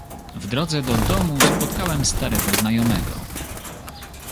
W drodze do domu spotkałem starego znajomego.